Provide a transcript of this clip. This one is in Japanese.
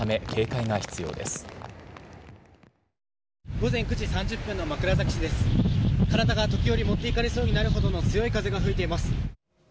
体が時折、持っていかれそうになるほどの強い風が吹いています。